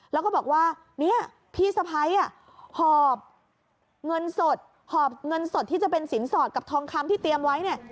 แล้วก็บอกว่าเนี่ยพี่สะพ้ายหอบเงินสดหอบเงินสดที่จะเป็นสินสอดกับทองคำที่เตรียมไว้เนี่ย